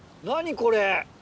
何これ！